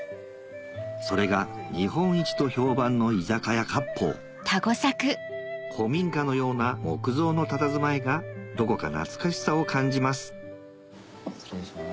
それが日本一と評判の居酒屋割烹古民家のような木造のたたずまいがどこか懐かしさを感じます失礼します。